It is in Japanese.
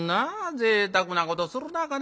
ぜいたくなことするなぁ金持ち